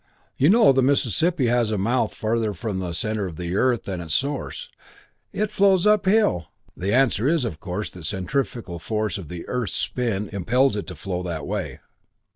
You know the Mississippi has its mouth further from the center of the Earth than its source; it flows up hill! The answer is, of course, that the centrifugal force of the Earth's spin impels it to flow that way.